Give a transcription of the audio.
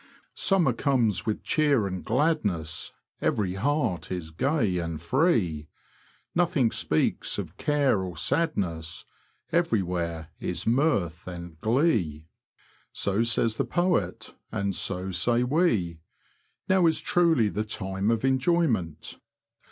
Summer comes with cheer and gladness, Every heart is gay and free ; Nothing speaks of care or sadness — Everywhere is mirth and glee. *(*^^1 ^ ^^y^ the poet, and so say we. Now is truly ^^^ the time of enjoyment.